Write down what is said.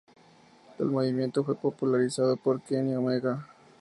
El movimiento fue popularizado por Kenny Omega.